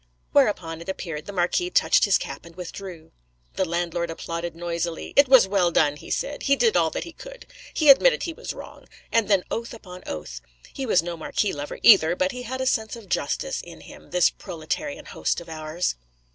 Whereupon, it appeared, the Marquis touched his cap and withdrew. The landlord applauded noisily. 'It was well done,' he said. 'He did all that he could. He admitted he was wrong.' And then oath upon oath. He was no marquis lover either, but he had a sense of justice in him, this proletarian host of ours.